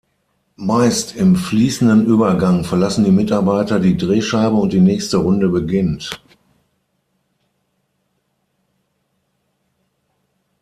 Meist im fließenden Übergang verlassen die Mitarbeiter die Drehscheibe und die nächste Runde beginnt.